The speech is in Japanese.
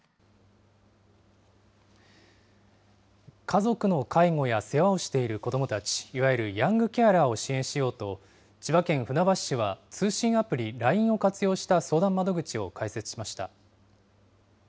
家族の介護や世話をしている子どもたち、いわゆるヤングケアラーを支援しようと、千葉県船橋市は通信アプリ、ＬＩＮＥを活用した相談窓口を開設しました。